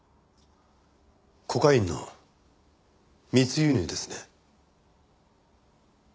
コカインの密輸入ですね？